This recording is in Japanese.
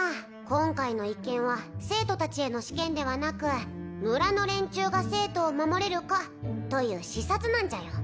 今回の一件は生徒達への試験ではなく村の連中が生徒を守れるかという視察なんじゃよ